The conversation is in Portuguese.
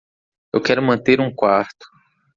Eu quero manter um quarto.